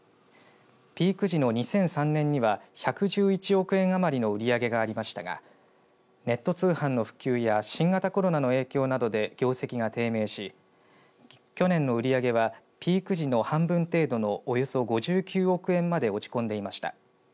ピーク時の２００３年には１１１億円余りの売り上げがありましたがネット通販の普及や新型コロナの影響などで業績が低迷し去年の売り上げはピーク時の半分程度のおよそ５９億円まで落ち込んでいました。